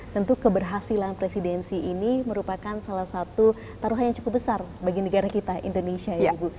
tentu keberhasilan presidensi ini merupakan salah satu taruhan yang cukup besar bagi negara kita indonesia ya ibu